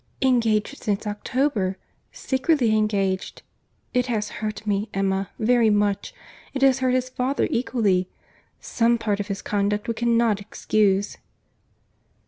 "Engaged since October,—secretly engaged.—It has hurt me, Emma, very much. It has hurt his father equally. Some part of his conduct we cannot excuse."